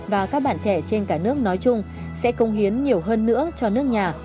và các bạn trẻ trên cả nước nói chung sẽ công hiến nhiều hơn nữa cho nước nhà